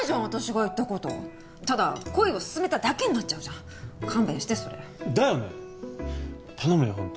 私が言ったことただ恋を勧めただけになっちゃうじゃん勘弁してそれだよね頼むよ